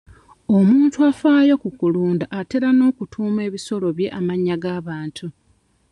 Omuntu afaayo ku kulunda atera n'okutuuma ebisolo bye amannya g'abantu.